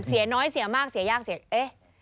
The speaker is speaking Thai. เสียน้อยเสียมากเสียยากเสียเอ๊ะ